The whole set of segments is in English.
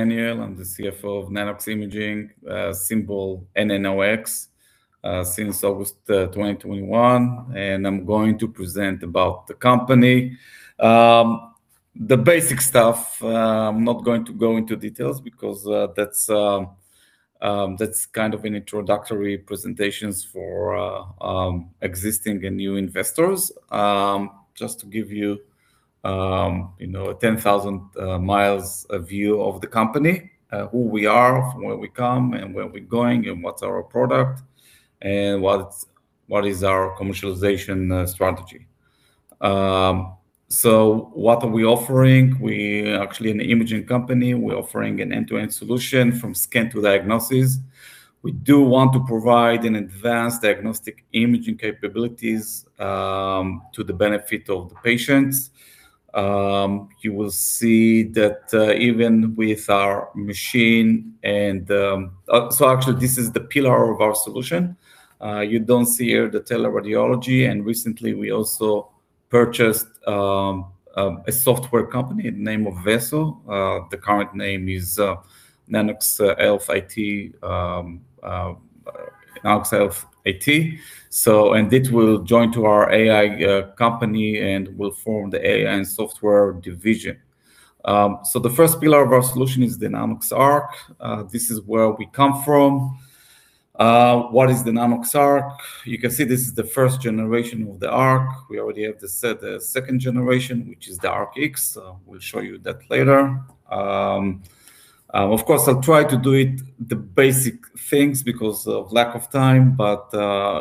Daniel, I'm the CFO of Nano-X Imaging, symbol NNOX, since August 2021, and I'm going to present about the company. The basic stuff, I'm not going to go into details because that's kind of an introductory presentation for existing and new investors. Just to give you know, a 10,000 mi view of the company, who we are, from where we come, and where we're going, and what's our product, and what is our commercialization strategy. What are we offering? We are actually an imaging company. We're offering an end-to-end solution from scan to diagnosis. We do want to provide advanced diagnostic imaging capabilities to the benefit of the patients. You will see that, even with our machine and, actually this is the pillar of our solution. You don't see here the teleradiology, and recently we also purchased a software company, name of Vaso. The current name is Nanox Health IT, so and it will join to our AI company and will form the AI and software division. The first pillar of our solution is the Nanox.ARC. This is where we come from. What is the Nanox.ARC? You can see this is the first generation of the ARC. We already have the second generation, which is the ARC X, so we'll show you that later. Of course, I'll try to do it, the basic things because of lack of time, but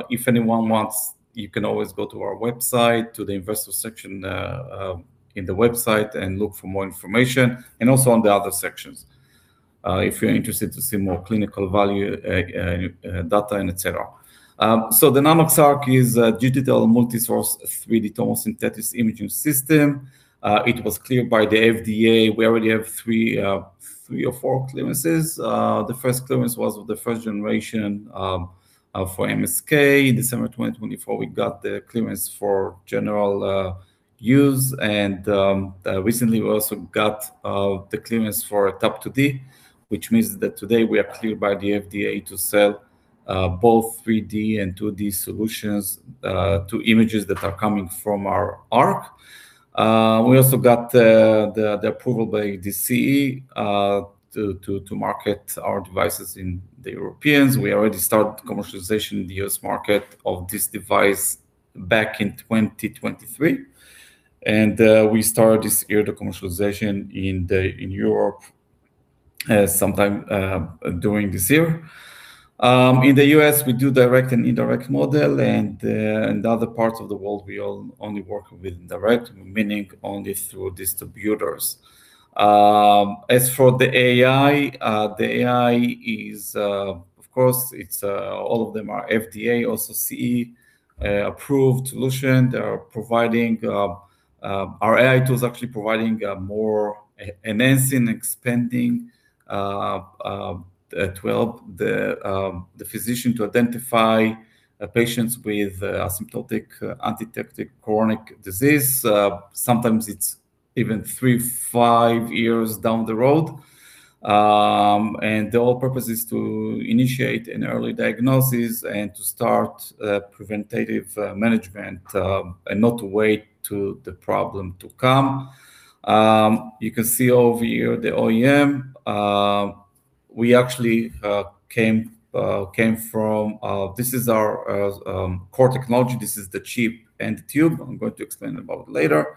if anyone wants, you can always go to our website, to the investor section in the website and look for more information and also on the other sections, if you're interested to see more clinical value, data and et cetera. The Nanox.ARC is a digital multi-source 3D tomosynthesis imaging system. It was cleared by the FDA. We already have three or four clearances. The first clearance was with the first generation for MSK. December 2024, we got the clearance for general use, and recently we also got the clearance for tomo 2D, which means that today we are cleared by the FDA to sell both 3D and 2D solutions to images that are coming from our Arc. We also got the approval by the CE to market our devices in Europe. We already started commercialization in the U.S. market of this device back in 2023, and we start this year the commercialization in Europe sometime during this year. In the U.S., we do direct and indirect model, and in the other parts of the world, we only work with indirect, meaning only through distributors. As for the AI, the AI is, of course, all of them are FDA, also CE, approved solution. Our AI tools are actually providing more enhancing, expanding to help the physician to identify patients with asymptomatic undetected chronic disease. Sometimes it's even three-five years down the road, and the whole purpose is to initiate an early diagnosis and to start preventative management, and not to wait to the problem to come. You can see over here the OEM. We actually came from this. This is our core technology. This is the chip and tube I'm going to explain about later.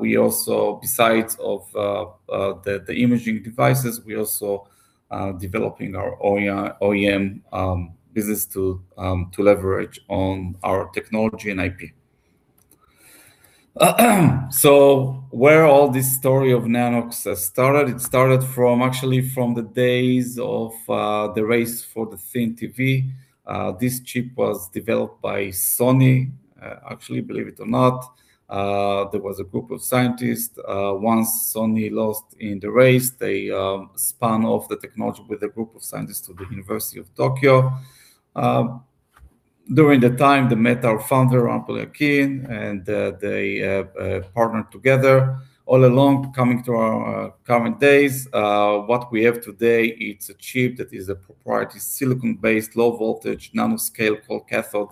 We also besides the imaging devices we also are developing our own OEM business to leverage on our technology and IP. Where all this story of Nanox started? It started actually from the days of the race for the thin TV. This chip was developed by Sony actually, believe it or not. There was a group of scientists. Once Sony lost in the race, they spun off the technology with a group of scientists to the University of Tokyo. During the time, they met our founder, Ran Poliakine, and they partnered together. All along, coming to our current days, what we have today, it's a chip that is a proprietary silicon-based, low voltage, nanoscale cold cathode,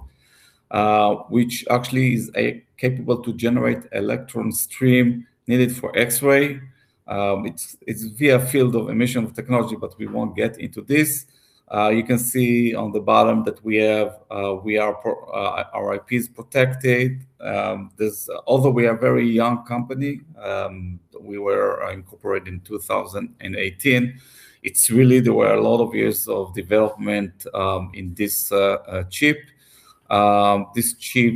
which actually is capable to generate electron stream needed for X-ray. It's via field emission technology, but we won't get into this. You can see on the bottom that our IP is protected. Although we are very young company, we were incorporated in 2018, it's really there were a lot of years of development in this chip. This chip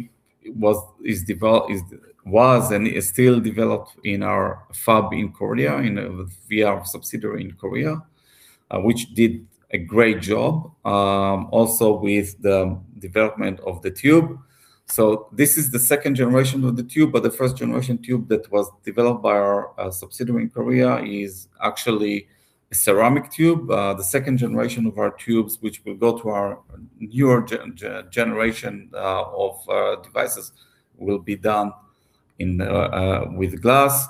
was and is still developed in our fab in Korea via our subsidiary in Korea, which did a great job also with the development of the tube. This is the second generation of the tube, but the first generation tube that was developed by our subsidiary in Korea is actually a ceramic tube. The second generation of our tubes, which will go to our newer generation of devices will be done in with glass.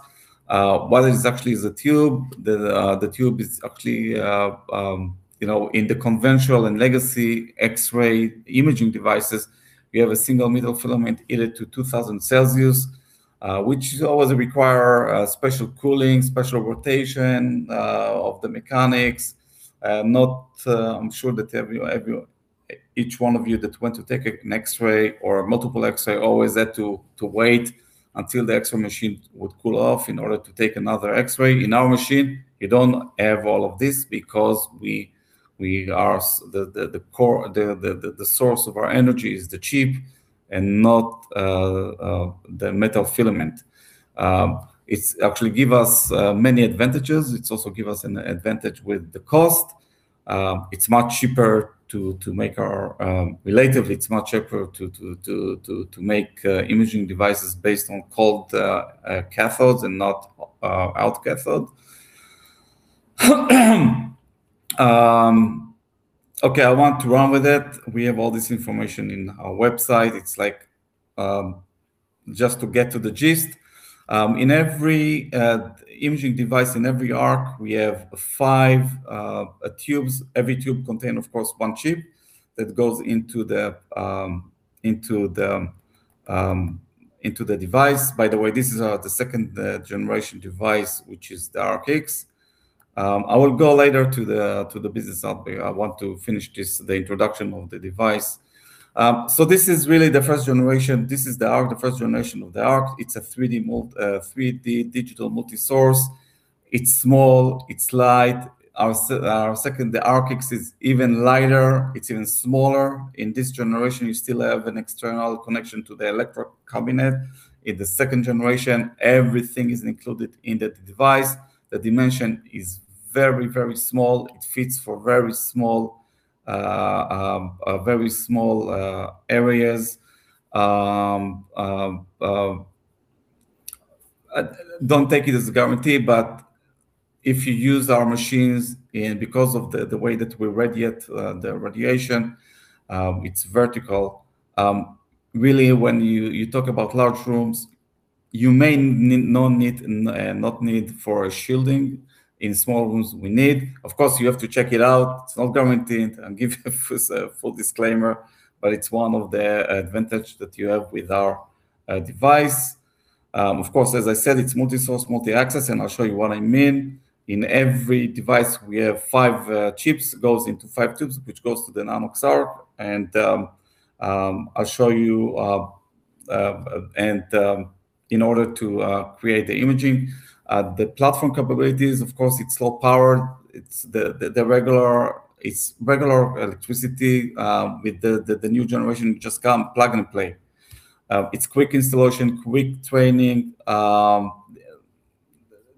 What actually is a tube. The tube is actually, you know, in the conventional and legacy X-ray imaging devices, we have a single metal filament heated to 2,000 degrees Celsius, which always require special cooling, special rotation of the mechanics. I'm sure that each one of you that went to take an X-ray or multiple X-ray always had to wait until the X-ray machine would cool off in order to take another X-ray. In our machine, you don't have all of this because the core source of our energy is the chip and not the metal filament. It's actually give us many advantages. It's also give us an advantage with the cost. It's much cheaper relatively to make imaging devices based on cold cathodes and not hot cathode. Okay, I don't want to run with it. We have all this information in our website. It's like just to get to the gist. In every imaging device, in every ARC, we have five tubes. Every tube contain, of course, one chip that goes into the device. By the way, this is the second generation device, which is the ARC X. I will go later to the business update. I want to finish this, the introduction of the device. This is really the first generation. This is the ARC, the first generation of the ARC. It's a 3D digital multi-source. It's small, it's light. Our second, the ARC X, is even lighter, it's even smaller. In this generation, you still have an external connection to the electric cabinet. In the second generation, everything is included in the device. The dimension is very, very small. It fits for very small areas. Don't take it as a guarantee, but if you use our machines, and because of the way that we radiate the radiation, it's vertical. Really when you talk about large rooms, you may not need for a shielding. In small rooms, we need. Of course, you have to check it out. It's not guaranteed. I'm giving full disclaimer, but it's one of the advantage that you have with our device. Of course, as I said, it's multi-source, multi-axis, and I'll show you what I mean. In every device we have five chips, goes into five tubes, which goes to the Nanox.ARC. I'll show you in order to create the imaging. The platform capabilities, of course, it's low power. It's the regular electricity. With the new generation, it just come plug and play. It's quick installation, quick training.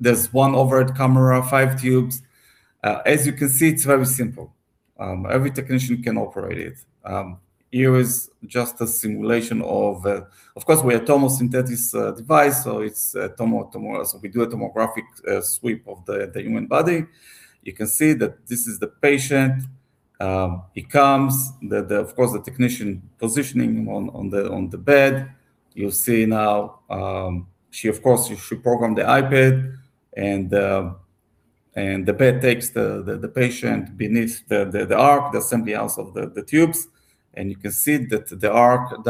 There's one overhead camera, five tubes. As you can see, it's very simple. Every technician can operate it. Here is just a simulation of course we are tomosynthesis device, so it's tomosynthesis. We do a tomographic sweep of the human body. You can see that this is the patient. He comes. The technician positions him on the bed. You'll see now, she programs the iPad, and the bed takes the patient beneath the ARC, the assembly arms of the tubes, and you can see that the ARC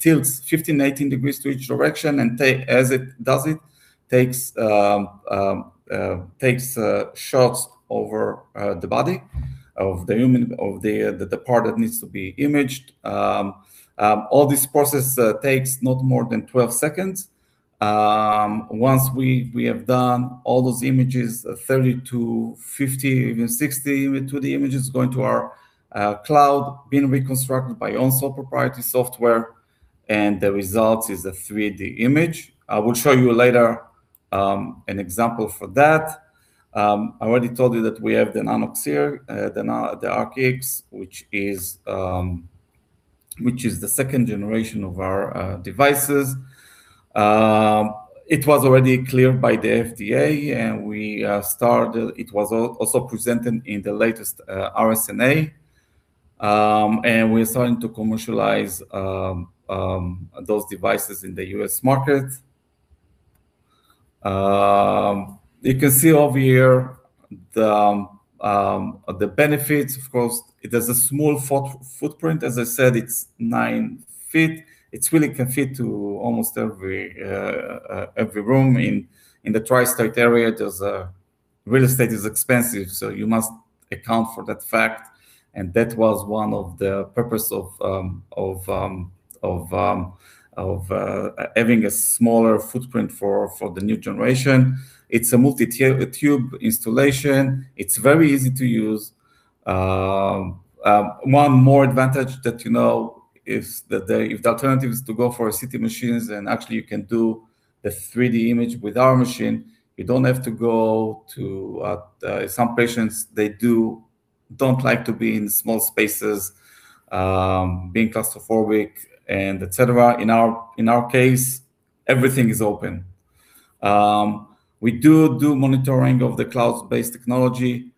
tilts 15-18 degrees to each direction, and as it does, it takes shots over the body of the human, the part that needs to be imaged. All this process takes not more than 12 seconds. Once we have done all those images, 30-50, even 60 2D images go into our cloud, being reconstructed by own sole proprietary software, and the results is a 3D image. I will show you later an example for that. I already told you that we have the Nanox here, the ARC.X, which is the second generation of our devices. It was already cleared by the FDA, and it was also presented in the latest RSNA. We're starting to commercialize those devices in the U.S. market. You can see over here the benefits. Of course it has a small footprint. As I said, it's nine feet. It's really can fit to almost every room. In the Tri-State Area, there's real estate is expensive, so you must account for that fact, and that was one of the purpose of having a smaller footprint for the new generation. It's a multi-tube installation. It's very easy to use. One more advantage that you know is that if the alternative is to go for CT machines and actually you can do the 3D image with our machine, you don't have to go to. Some patients don't like to be in small spaces, being claustrophobic and et cetera. In our case, everything is open. We do monitoring of the cloud-based technology.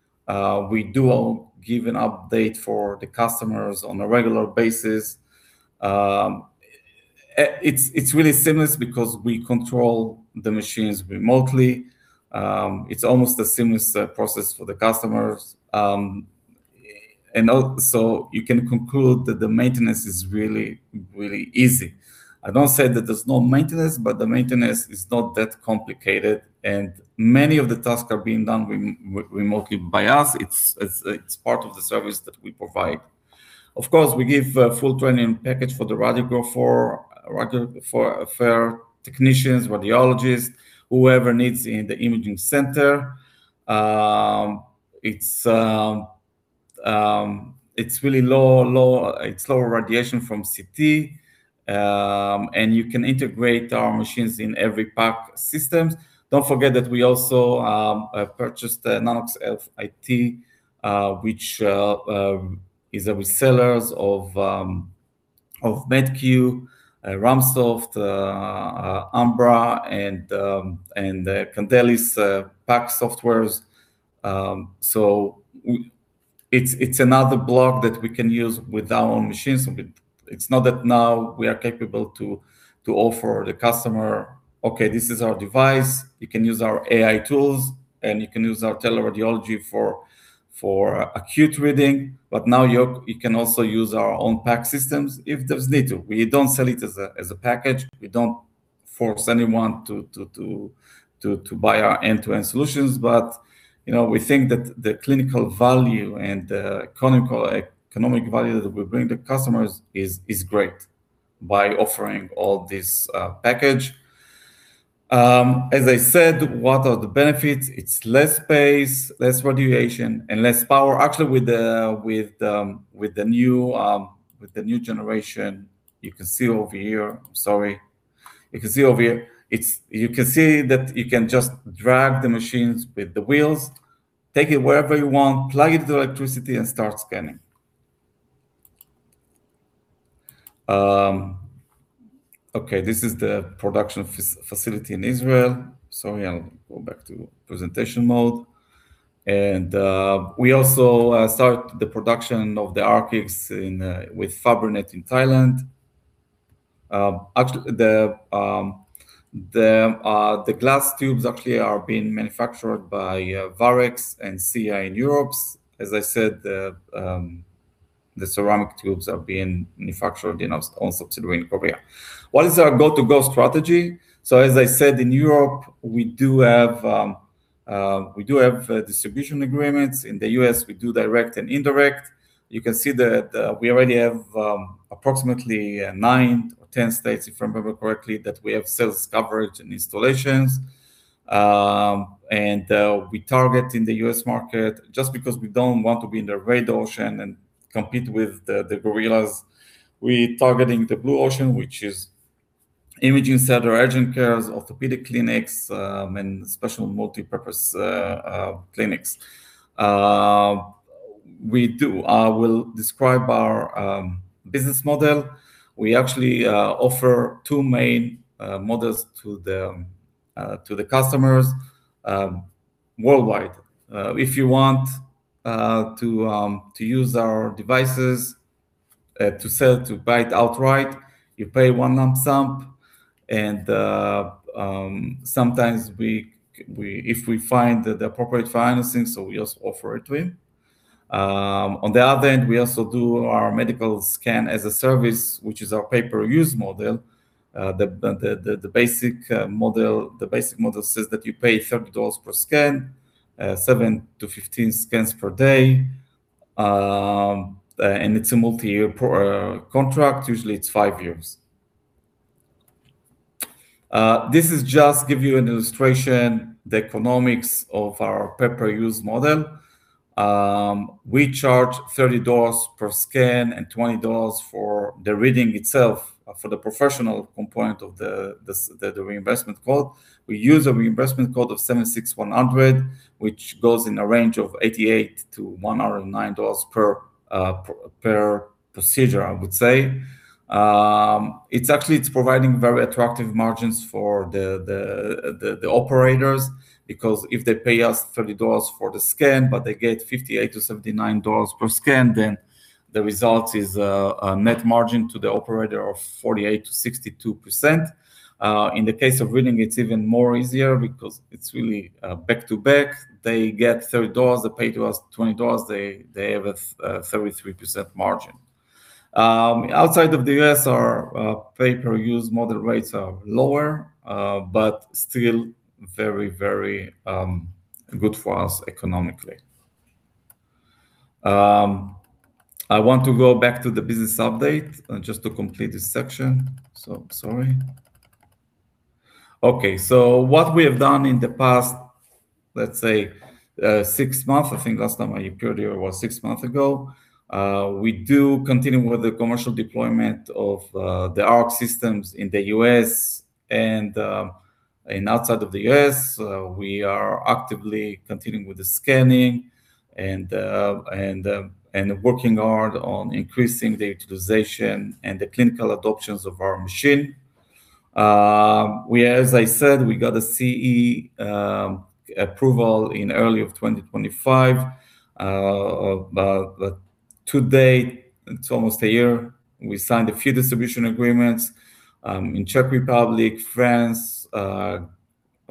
We do give an update for the customers on a regular basis. It's really seamless because we control the machines remotely. It's almost a seamless process for the customers. You can conclude that the maintenance is really easy. I don't say that there's no maintenance, but the maintenance is not that complicated, and many of the tasks are being done remotely by us. It's part of the service that we provide. Of course, we give a full training package for the radiographer, radiotherapists, technicians, radiologists, whoever needs in the imaging center. It's really low. It's lower radiation than CT, and you can integrate our machines in every PACS system. Don't forget that we also purchased the Nanox Health IT, which is a reseller of medQ, RamSoft, Ambra, and Candelis PACS software. It's another block that we can use with our own machines. It's not that now we are capable to offer the customer, "Okay, this is our device. You can use our AI tools, and you can use our teleradiology for acute reading." Now you can also use our own PACS systems if there's need to. We don't sell it as a package. We don't force anyone to buy our end-to-end solutions. You know, we think that the clinical value and the economic value that we bring to customers is great by offering all this package. As I said, what are the benefits? It's less space, less radiation, and less power. Actually, with the new generation, you can see that you can just drag the machines with the wheels, take it wherever you want, plug it to electricity, and start scanning. This is the production facility in Israel. Sorry, I'll go back to presentation mode. We also start the production of the ARC X's with Fabrinet in Thailand. The glass tubes actually are being manufactured by Varex and CA in Europe. As I said, the ceramic tubes are being manufactured also in South Korea. What is our go-to strategy? As I said, in Europe, we do have distribution agreements. In the U.S., we do direct and indirect. You can see that we already have approximately nine or ten states, if I remember correctly, that we have sales coverage and installations. We target in the U.S. market, just because we don't want to be in the red ocean and compete with the gorillas, we targeting the blue ocean, which is imaging center, urgent cares, orthopedic clinics, and special multipurpose clinics. I will describe our business model. We actually offer two main models to the customers worldwide. If you want to use our devices to buy it outright, you pay one lump sum, and sometimes we find the appropriate financing, so we also offer it to him. On the other end, we also do our medical scan-as-a-service, which is our pay-per-use model. The basic model says that you pay $30 per scan, seven-15 scans per day, and it's a multiyear pro contract. Usually, it's years. This is just to give you an illustration, the economics of our pay-per-use model. We charge $30 per scan and $20 for the reading itself, for the professional component of the reimbursement code. We use a reimbursement code of 76100, which goes in a range of $88-$109 per procedure, I would say. It's actually providing very attractive margins for the operators because if they pay us $30 for the scan, but they get $58-$79 per scan, then the result is a net margin to the operator of 48%-62%. In the case of reading, it's even easier because it's really back to back. They get $30. They pay to us $20. They have a 33% margin. Outside of the U.S., our pay-per-use model rates are lower, but still very good for us economically. I want to go back to the business update, just to complete this section. Sorry. Okay. What we have done in the past, let's say, six months, I think last time I appeared here was six months ago, we do continue with the commercial deployment of the ARC systems in the U.S. and outside of the U.S. We are actively continuing with the scanning and working hard on increasing the utilization and the clinical adoptions of our machine. We, as I said, we got a CE approval in early 2025. Today it's almost a year. We signed a few distribution agreements in Czech Republic, France, I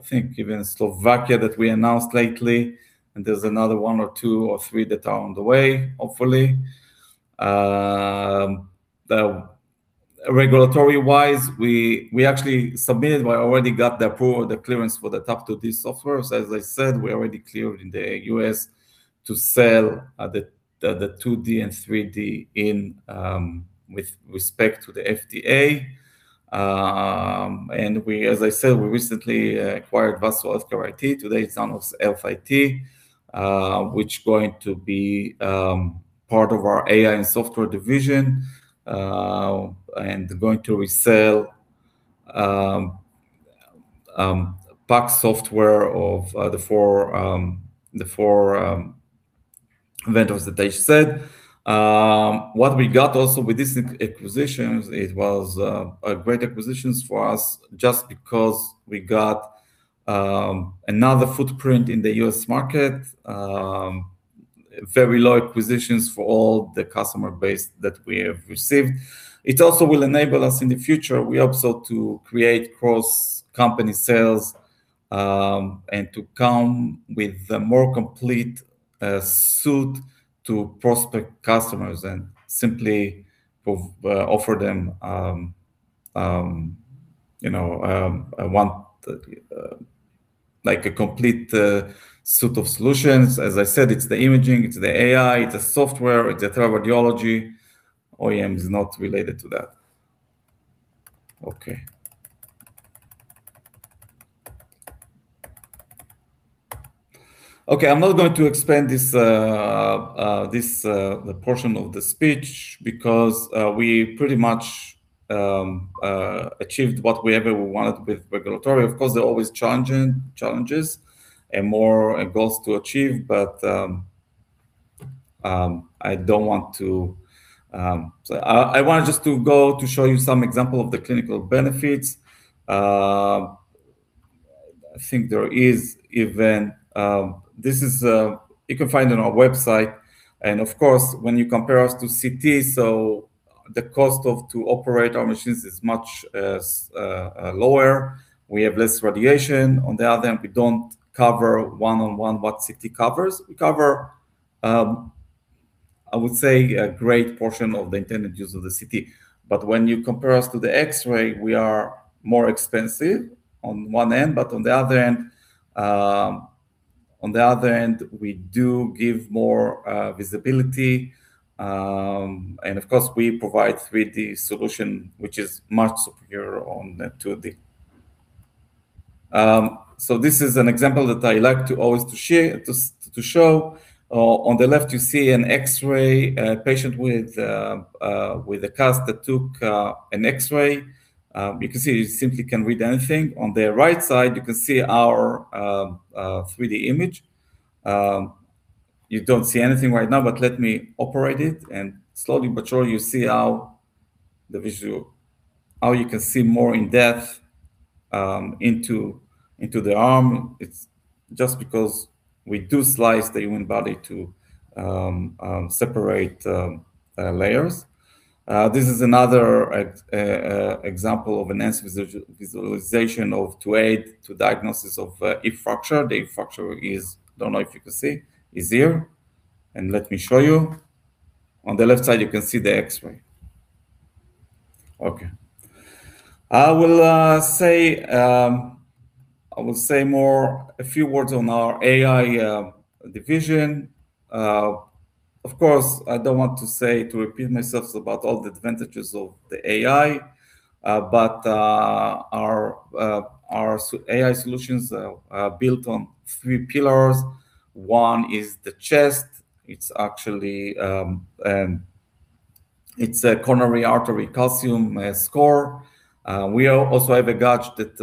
think even Slovakia that we announced lately. There's another one or two or three that are on the way, hopefully. The regulatory-wise, we actually submitted, we already got the approval, the clearance for the top 2D software. As I said, we already cleared in the U.S. to sell the 2D and 3D with respect to the FDA. We, as I said, we recently acquired VasoHealthcare IT. Today it's almost VasoHealthcare IT, which going to be part of our AI and software division, and going to resell PACS software of the four vendors that I said. What we got also with this acquisition, it was a great acquisition for us just because we got another footprint in the U.S. market, very low acquisition for all the customer base that we have received. It also will enable us in the future, we hope so, to create cross-company sales, and to come with a more complete suit to prospect customers and simply offer them, you know, a one, like a complete suit of solutions. As I said, it's the imaging, it's the AI, it's the software, it's the teleradiology. OEM is not related to that. Okay. I'm not going to expand this, the portion of the speech because we pretty much achieved what we ever wanted with regulatory. Of course, there are always challenges and more goals to achieve, but I don't want to. I want just to go to show you some example of the clinical benefits. I think there is even this, which you can find on our website. Of course, when you compare us to CT, the cost to operate our machines is much lower. We have less radiation. On the other hand, we don't cover one-on-one what CT covers. We cover, I would say, a great portion of the intended use of the CT. When you compare us to the X-ray, we are more expensive on one end, but on the other end, we do give more visibility. Of course, we provide 3D solution, which is much superior to the 2D. This is an example that I like to always share, to show. On the left, you see an X-ray, a patient with a cast that took an X-ray. You can see you simply can't read anything. On the right side, you can see our 3D image. You don't see anything right now, but let me operate it, and slowly but surely you see how you can see more in depth into the arm. It's just because we do slice the human body to separate layers. This is another example of enhanced visualization to aid diagnosis of a fracture. The fracture is, don't know if you can see, here. Let me show you. On the left side, you can see the X-ray. Okay. I will say more, a few words on our AI division. Of course, I don't want to repeat myself about all the advantages of the AI, but our AI solutions are built on three pillars. One is the chest. It's actually a coronary artery calcium score. We also have a gauge that,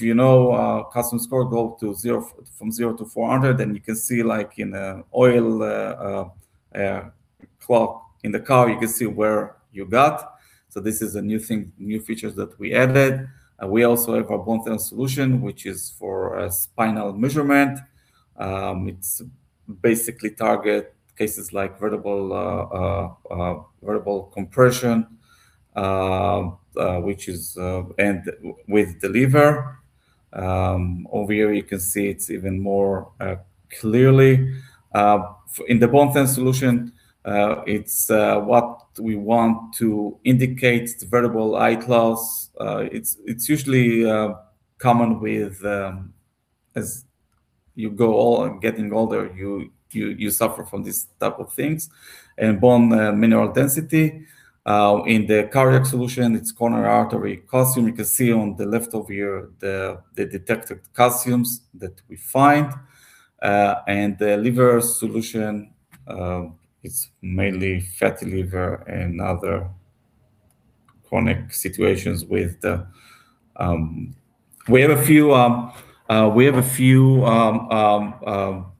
you know, the calcium score goes from 0 to 400, then you can see like in an oil gauge in the car, you can see where you got. This is a new thing, new features that we added. We also have our HealthOST solution, which is for spinal measurement. It's basically target cases like vertebral compression. With the liver, over here you can see it's even more clearly. In the BoneTen solution, it's what we want to indicate the vertebral wedge loss. It's usually common with, as you grow old, getting older, you suffer from these type of things. Bone mineral density. In the cardiac solution, it's coronary artery calcium. You can see on the left over here the detected calciums that we find. In the liver solution, it's mainly fatty liver and other chronic situations with the. We have a few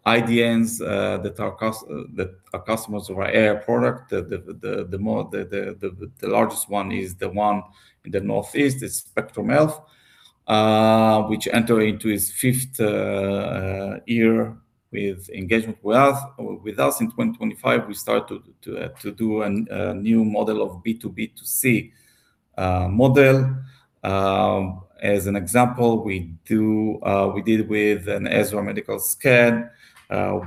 IDNs that are customers of our AI product. The more... The largest one is the one in the Northeast. It's Spectrum Health, which enter into its fifth year with engagement with us. In 2025 we start to do a new model of B2B2C model. As an example, we did with an Ezra.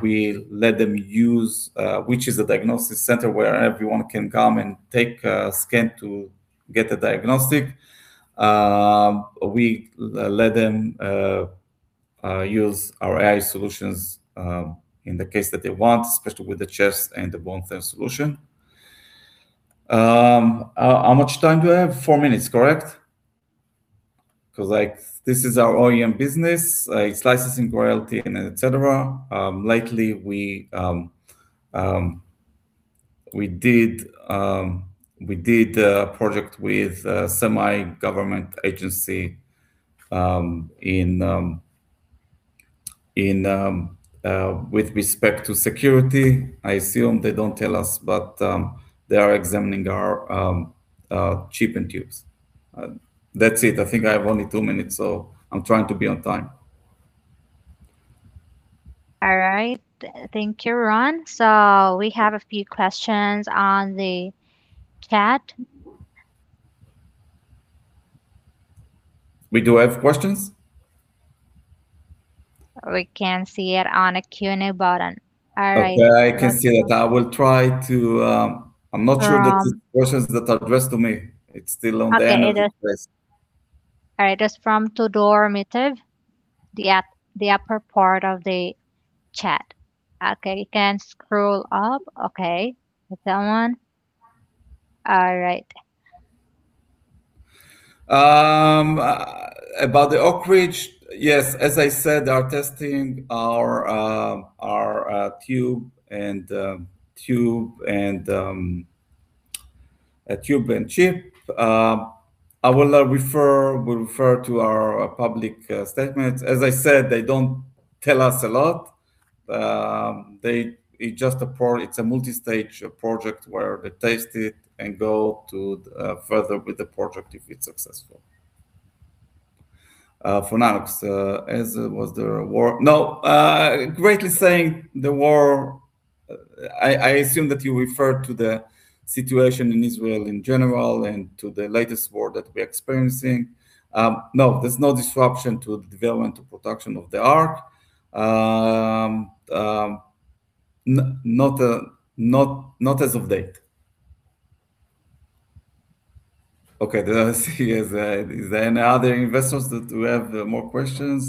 We let them use which is a diagnostic center where everyone can come and take a scan to get a diagnostic. We let them use our AI solutions in the case that they want, especially with the chest and the bone scan solution. How much time do I have? Four minutes, correct? 'Cause, like, this is our OEM business, it's licensing royalty and et cetera. Lately we did a project with a semi-government agency with respect to security. I assume they don't tell us, but they are examining our chip and tubes. That's it. I think I have only two minutes, so I'm trying to be on time. All right. Thank you, Ran. We have a few questions on the chat. We do have questions? We can see it on a Q&A button. All right. Okay. I can see it. I will try to. Um- I'm not sure that the questions that are addressed to me. It's still on the end. Okay. All right. Just from Todor Mitev, the upper part of the chat. Okay. You can scroll up. Okay. Is that one? All right. About the Oak Ridge, yes, as I said, they are testing our tube and chip. I will refer to our public statement. As I said, they don't tell us a lot. It's a multi-stage project where they test it and go further with the project if it's successful. For now, as for the war. No, regarding the war, I assume that you refer to the situation in Israel in general and to the latest war that we're experiencing. No, there's no disruption to the development or production of the Arc. Not as of today. Okay. Then are there investors that have more questions?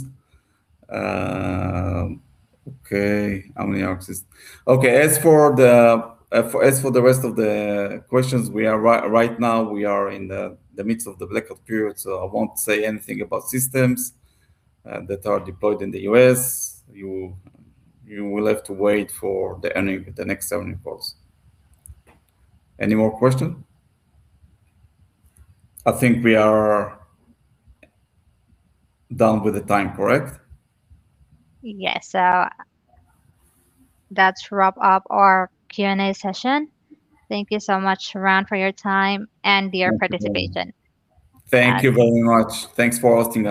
Okay. How many Arcs is... Okay. As for the rest of the questions, we are right now in the midst of the blackout period, so I won't say anything about systems that are deployed in the US. You will have to wait for the next earnings calls. Any more question? I think we are done with the time, correct? Yes. That wraps up our Q&A session. Thank you so much, Ran, for your time and your participation. Thank you very much. Thanks for hosting this.